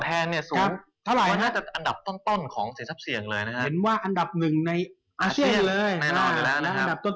เพราะผลตอบแทนเนี่ยน่าจะอันดับต้นของสินทรัพย์เสี่ยงเลยนะครับ